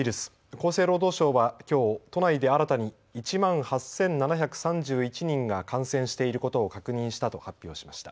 厚生労働省はきょう都内で新たに１万８７３１人が感染していることを確認したと発表しました。